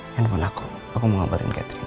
nelfon aku aku mau ngobarin catherine